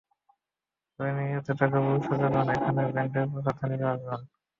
ঘরে নিয়মিত ত্বকের পরিচর্যা করুন এবং একই ব্র্যান্ডের প্রসাধনী ব্যবহার করুন।